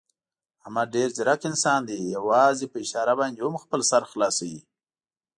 احمد ډېر ځیرک انسان دی، یووازې په اشاره باندې هم خپل سر خلاصوي.